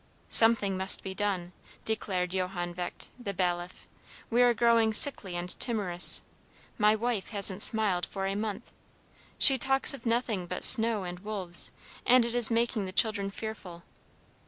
"Something must be done," declared Johann Vecht, the bailiff. "We are growing sickly and timorous. My wife hasn't smiled for a month. She talks of nothing but snow and wolves, and it is making the children fearful.